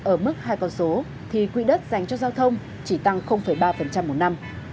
ở mức hai con số thì quỹ đất dành cho giao thông chỉ tăng ba một năm